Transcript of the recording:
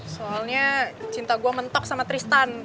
soalnya cinta gue mentok sama tristan